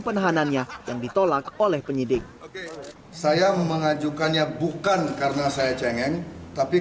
penahanannya yang ditolak oleh penyidik saya mengajukannya bukan karena saya cengeng tapi